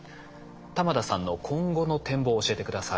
玉田さんの今後の展望を教えて下さい。